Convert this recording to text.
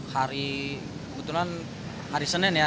hari kebetulan hari senin ya